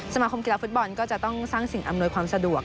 สมาคมกีฬาฟุตบอลก็จะต้องสร้างสิ่งอำนวยความสะดวก